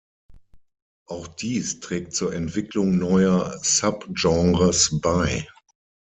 Auch dies trägt zur Entwicklung neuer Sub-Genres bei.